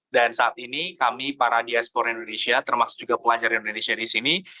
dan saat ini kami para diaspor indonesia termasuk juga pelajar indonesia di sini